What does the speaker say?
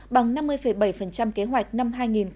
bằng năm mươi bảy kế hoạch năm hai nghìn hai mươi